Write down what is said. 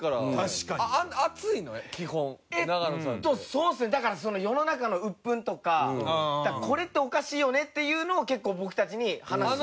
そうですねだから世の中の鬱憤とかこれっておかしいよねっていうのを結構僕たちに話し。